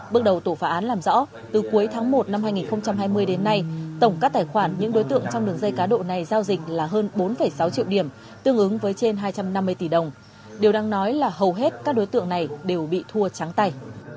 bước đầu tổ phá án làm rõ từ cuối tháng một năm hai nghìn hai mươi đến nay tổng các tài khoản những đối tượng trong đường dây cá độ này giao dịch là hơn bốn sáu triệu điểm tương ứng với trên hai trăm năm mươi tỷ đồng điều đang nói là hầu hết các đối tượng này đều bị thua trắng tay